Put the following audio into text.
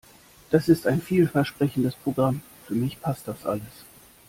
Das ist ein vielversprechendes Programm. Für mich passt das alles.